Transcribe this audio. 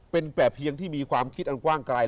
เป็นแต่เพียงที่มีความคิดอันกว้างไกล